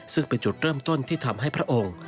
ซึ่งเป็นจุดเริ่มต้นที่ทำให้พระองค์